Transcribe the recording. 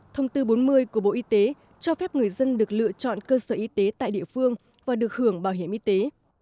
thông tư bốn mươi của bộ y tế cho phép người dân được lựa chọn cơ sở y tế tại địa phương và được hưởng bảo hiểm y tế